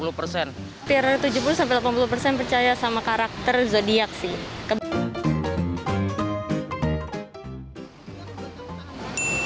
hampir tujuh puluh sampai delapan puluh persen percaya sama karakter zodiac sih